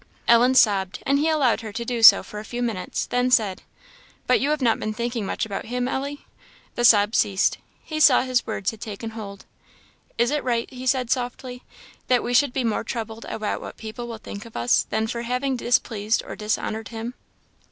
Ellen sobbed; and he allowed her to do so for a few minutes, then said "But you have not been thinking much about Him, Ellie?" The sobs ceased; he saw his words had taken hold. "Is it right," he said, softly, "that we should be more troubled about what people will think of us, than for having displeased or dishonoured Him?"